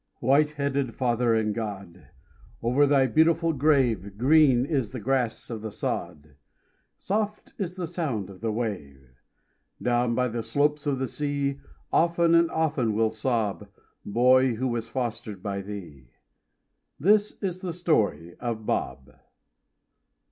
White headed father in God, Over thy beautiful grave Green is the grass of the sod, Soft is the sound of the wave. Down by the slopes of the sea Often and often will sob Boy who was fostered by thee This is the story of Bob.